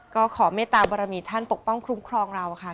ก็ขอเมตตาบรมีท่านปกป้องคุ้มครองเราค่ะ